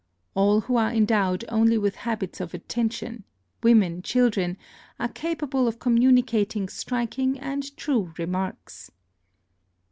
All who are endowed only with habits of attention, women, children, are capable of communicating striking and true remarks.